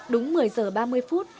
đúng một mươi giờ ba mươi phút